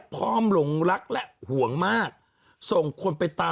โปรดติดตามตอนต่อไป